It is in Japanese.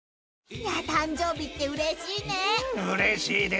いやぁ誕生日ってうれしいね。